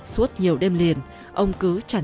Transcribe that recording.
suốt nhiều đêm liền ông cứ chẳng chẳng